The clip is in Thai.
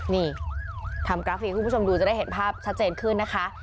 นี่ทำกราฟิกคุณผู้ชมดูจะได้เห็นภาพชัดเจนขึ้นนะคะ